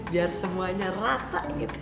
biar semuanya rata gitu